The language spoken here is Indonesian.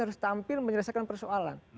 harus tampil menyelesaikan persoalan